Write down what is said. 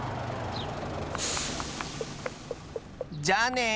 じゃあね！